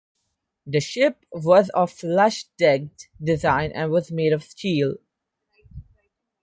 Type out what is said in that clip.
The ship was of flush decked design and was made of steel.